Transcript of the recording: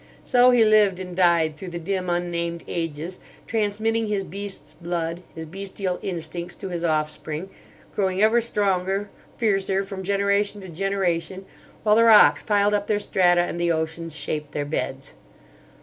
So he lived and died through the dim unnamed ages, transmitting his beast's blood, his bestial instincts, to his offspring, growing ever stronger, fiercer, from generation to generation, while the rocks piled up their strata and the oceans shaped their beds.